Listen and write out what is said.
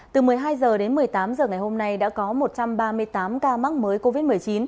từ một mươi hai h đến một mươi tám h ngày hôm nay đã có một trăm ba mươi tám ca mắc mới covid một mươi chín